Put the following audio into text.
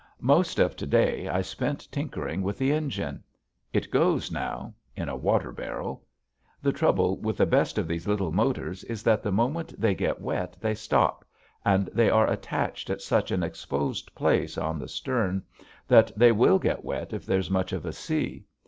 Most of to day I spent tinkering with the engine. It goes now in a water barrel. The trouble with the best of these little motors is that the moment they get wet they stop, and they are attached at such an exposed place, on the stern, that they will get wet if there's much of a sea.